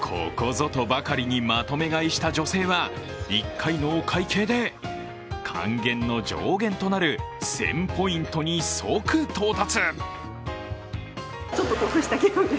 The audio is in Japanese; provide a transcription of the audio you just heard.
ここぞとばかりにまとめ買いした女性は１回のお会計で還元の上限となる１０００ポイントに即到達。